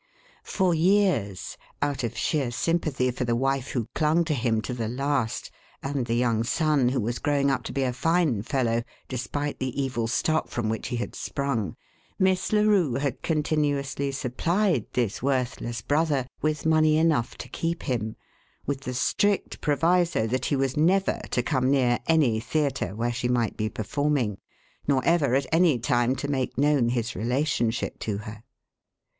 For years out of sheer sympathy for the wife who clung to him to the last, and the young son who was growing up to be a fine fellow despite the evil stock from which he had sprung Miss Larue had continuously supplied this worthless brother with money enough to keep him, with the strict proviso that he was never to come near any theatre where she might be performing, nor ever at any time to make known his relationship to her.